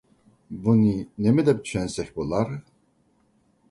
بۇنى نېمە دەپ چۈشەنسەك بولار؟